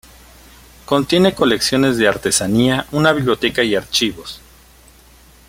Contiene colecciones de artesanía, una biblioteca y archivos.